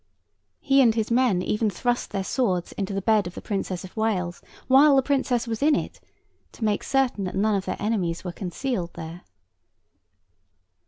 He and his men even thrust their swords into the bed of the Princess of Wales while the Princess was in it, to make certain that none of their enemies were concealed there.